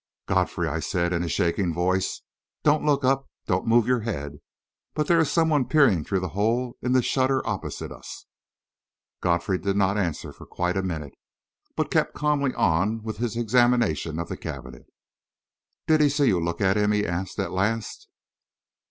"Godfrey," I said, in a shaking voice, "don't look up; don't move your head; but there is some one peering through the hole in the shutter opposite us." Godfrey did not answer for quite a minute, but kept calmly on with his examination of the cabinet. "Did he see you look at him?" he asked, at last.